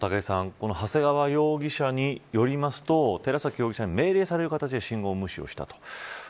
武井さん長谷川容疑者によると寺崎容疑者に命令される形で信号を無視したと。